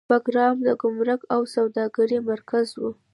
بګرام د ګمرک او سوداګرۍ مرکز و